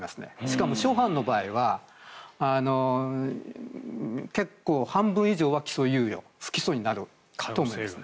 しかも、初犯の場合は結構、半分以上は起訴猶予不起訴になると思います。